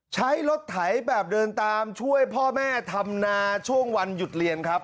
ใช้รถไถแบบเดินตามช่วยพ่อแม่ทำนาช่วงวันหยุดเรียนครับ